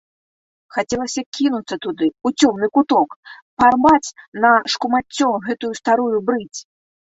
Хацелася кінуцца туды, у цёмны куток, парваць на шкумаццё гэтую старую брыдзь.